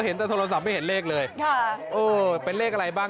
เห็นแต่โทรศัพท์ไม่เห็นเลขเลยค่ะเออเป็นเลขอะไรบ้าง